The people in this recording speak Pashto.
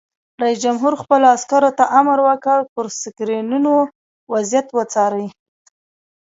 رئیس جمهور خپلو عسکرو ته امر وکړ؛ پر سکرینونو وضعیت وڅارئ!